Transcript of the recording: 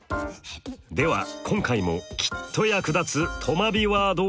では今回もきっと役立つとまビワードをご紹介。